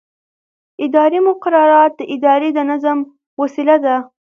اداري مقررات د ادارې د نظم وسیله ده.